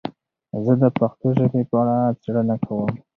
زه د پښتو ژبې په اړه څېړنه کوم.